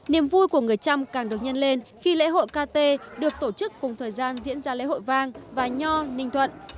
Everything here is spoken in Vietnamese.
niềm vui của người trăm càng được nhân lên khi lễ hội kt được tổ chức cùng thời gian diễn ra lễ hội vang và nho ninh thuận